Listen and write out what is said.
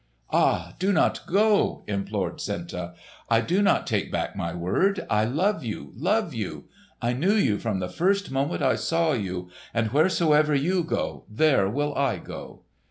"Ah, do not go!" implored Senta. "I will not take back my word. I love you, love you! I knew you from the first moment I saw you, and wheresoever you go, there will I go!"